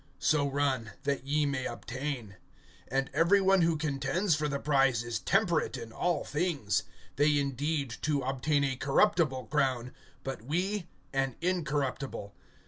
So run, that ye may obtain. (25)And every one who contends for the prize is temperate in all things; they indeed to obtain a corruptible crown, but we an incorruptible.